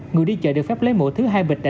người đi chợ được phép lấy mỗi thứ hai bịch đã